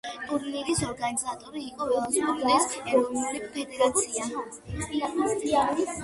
ტურნირის ორგანიზატორი იყო ველოსპორტის ეროვნული ფედერაცია.